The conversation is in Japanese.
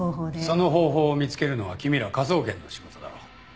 その方法を見つけるのは君ら科捜研の仕事だろう。